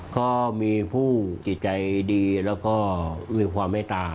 ก็มีผู้จิตใจดีแล้วก็มีความเมตตา